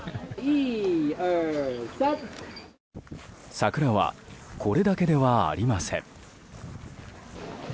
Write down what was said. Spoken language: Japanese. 桜はこれだけではありません。